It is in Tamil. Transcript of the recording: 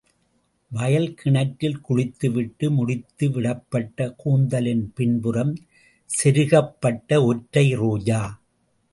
வயல்கிணற்றில் குளித்து விட்டு முடித்துவிடப்பட்ட கூந்தலின் பின்புறம் செருகப்பட்ட ஒற்றை ரோஜா.